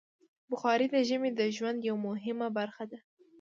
بخاري د ژمي د ژوند یوه مهمه برخه ده.